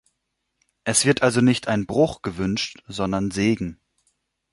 Es wird also nicht ein "Bruch" gewünscht, sondern "Segen".